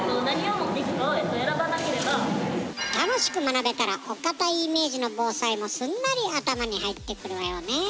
楽しく学べたらお堅いイメージの防災もすんなり頭に入ってくるわよね。